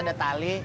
di atas ada tali